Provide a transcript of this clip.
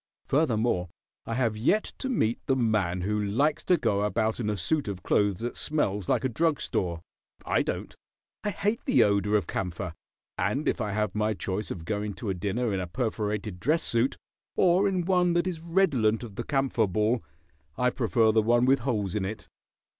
Furthermore, I have yet to meet the man who likes to go about in a suit of clothes that smells like a drug store. I don't. I hate the odor of camphor, and if I have my choice of going to a dinner in a perforated dress suit or in one that is redolent of the camphor ball, I prefer the one with holes in it.